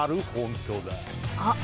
あっ！